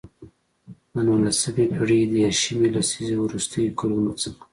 د نولسمې پېړۍ د دیرشمې لسیزې وروستیو کلونو څخه.